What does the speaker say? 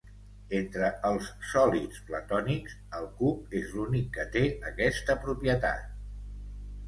Entre els sòlids platònics, el cub és l'únic que té aquesta propietat.